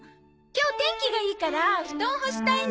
今日天気がいいから布団干したいの。